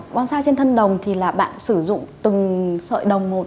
bonsai trên thân đồng thì là bạn sử dụng từng sợi đồng một